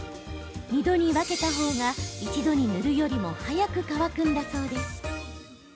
２度に分けた方が一度に塗るよりも早く乾くんだそうです。